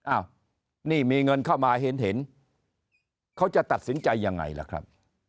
อ้าวนี่มีเงินเข้ามาเห็นเห็นเขาจะตัดสินใจยังไงล่ะครับ